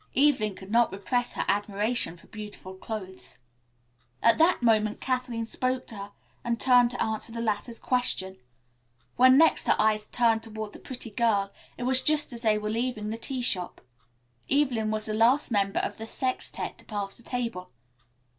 Evelyn could not repress her admiration for beautiful clothes. At that moment Kathleen spoke to her and she turned to answer the latter's question. When next her eyes turned toward the pretty girl it was just as they were leaving the tea shop. Evelyn was the last member of the sextette to pass the table.